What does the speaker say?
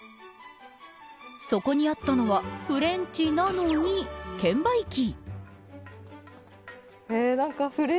そこにあったのはフレンチなのに券売機。